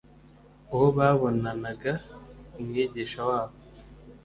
uwo babonanaga Umwigisha wabo.